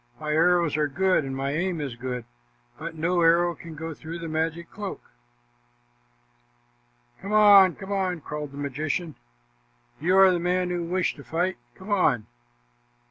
"My arrows are good and my aim is good, but no arrow can go through the magic cloak." "Come on, come on," called the magician. "You are the man who wished to fight. Come on."